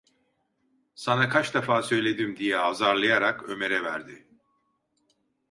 "Sana kaç defa söyledim!" diye azarlayarak Ömer’e verdi.